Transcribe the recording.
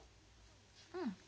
うん。